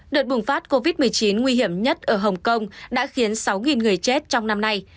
đợt bùng phát covid một mươi chín nguy hiểm nhất ở hồng kông đã khiến sáu người chết trong năm nay